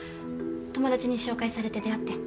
友達に紹介されて出会って。